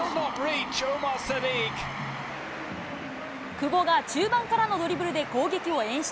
久保が中盤からのドリブルで攻撃を演出。